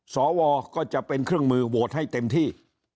สวก็จะเป็นเครื่องมือโหวตให้เต็มที่